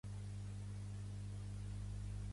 Hi ha flors masculines i femenines en peus diferents.